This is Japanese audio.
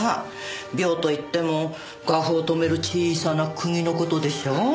鋲といっても画布を留める小さな釘の事でしょ？